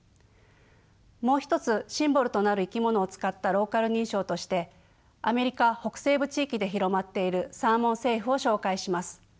もう一つシンボルとなる生き物を使ったローカル認証としてアメリカ北西部地域で広まっているサーモン・セーフを紹介します。